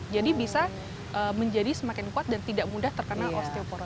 jadi bisa menjadi semakin kuat dan tidak mudah terkena osteoporosis